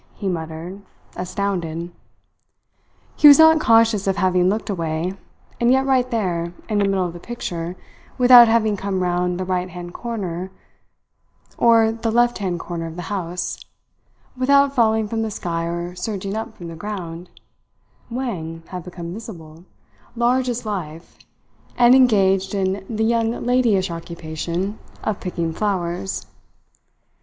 he muttered, astounded. He was not conscious of having looked away; and yet right there, in the middle of the picture, without having come round the right hand corner or the left hand corner of the house, without falling from the sky or surging up from the ground, Wang had become visible, large as life, and engaged in the young ladyish occupation of picking flowers.